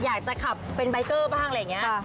อยากจะขับเป็นใบเกอร์บ้างอะไรอย่างนี้